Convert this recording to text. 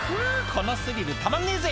このスリルたまんねえぜ」